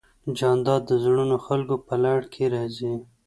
جانداد د زړورو خلکو په لړ کې راځي.